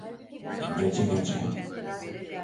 Gece gece!